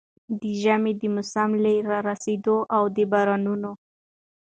د ژمي د موسم له را رسېدو او د بارانونو